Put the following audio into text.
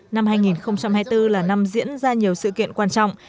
năm hai nghìn hai mươi bốn là năm diễn ra nhiều sự kiện quan trọng